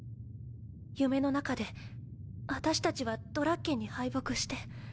夢の中で私たちはドラッケンに敗北して。